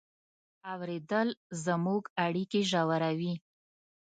اورېدل زموږ اړیکې ژوروي.